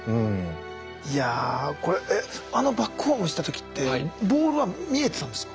いやああのバックホームした時ってボールは見えてたんですか？